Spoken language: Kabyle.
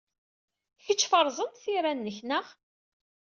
Kečč feṛzent tira-nnek, naɣ?